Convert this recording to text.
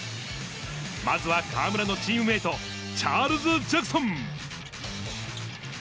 まずは河村のチームメート、チャールズ・ジャクソン。